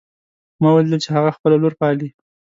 ما ولیدل چې هغه خپله لور پالي